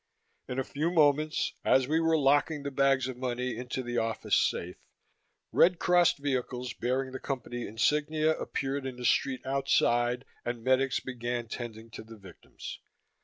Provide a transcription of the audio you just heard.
In a few moments, as we were locking the bags of money into the office safe, red crossed vehicles bearing the Company insignia appeared in the street outside, and medics began tending to the victims.